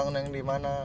neng di mana